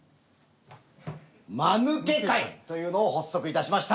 まぬけ会というのを発足いたしました！